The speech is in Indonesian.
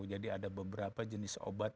jadi ada beberapa jenis obat